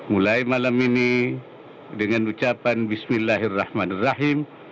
mulai malam ini dengan ucapan bismillahirrahmanirrahim